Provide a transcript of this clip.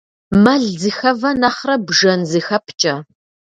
Мэл зыхэвэ нэхърэ бжэн зыхэпкӏэ.